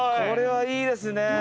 これはいいですね。